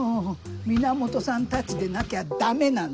源さんたちでなきゃダメなの。